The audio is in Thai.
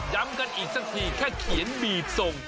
ย้ำกันอีกสักทีแค่เขียนบีบส่ง